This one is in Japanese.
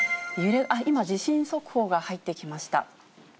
今、地震速報が入ってきました。